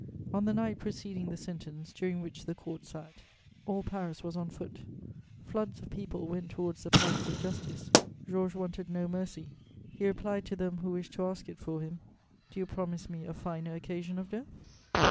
On the night preceding the sentence, during which the court sat, all Paris was on foot. Floods of people went towards the Palace of Justice. Georges wanted no mercy; he replied to them who wished to ask it for him: "Do you promise me a finer occasion of death?"